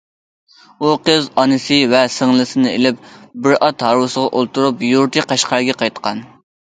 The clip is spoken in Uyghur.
ئۇ قىزى، ئانىسى ۋە سىڭلىسىنى ئېلىپ، بىر ئات ھارۋىسىغا ئولتۇرۇپ، يۇرتى قەشقەرگە قايتقان.